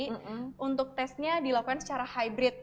jadi ada yang testnya dilakukan secara hybrid